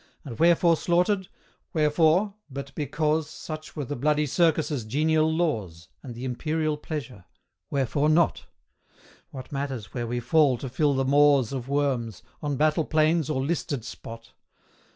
And wherefore slaughtered? wherefore, but because Such were the bloody circus' genial laws, And the imperial pleasure. Wherefore not? What matters where we fall to fill the maws Of worms on battle plains or listed spot?